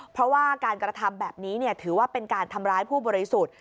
เพราะว่าการกระทำแบบนี้ถือว่าเป็นการทำร้ายผู้บริสุทธิ์